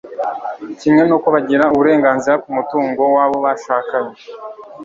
kimwe n'uko bagira uburenganzira ku mutungo wabo bashakanye